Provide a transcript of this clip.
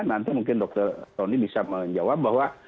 nanti mungkin dokter tony bisa menjawab bahwa